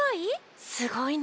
すごい？